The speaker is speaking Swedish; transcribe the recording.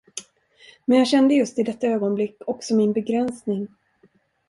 Men jag kände just i detta ögonblick också min begränsning.